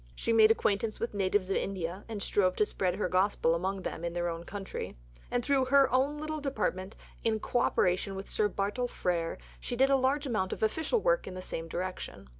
She made acquaintance with natives of India and strove to spread her gospel among them in their own country. And through her "own little Department" in co operation with Sir Bartle Frere she did a large amount of official work in the same direction.